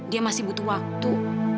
dia masih butuh waktu